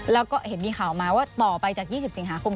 แล้วก็เห็นมีข่าวมาว่าต่อไปจาก๒๐สิงหาคม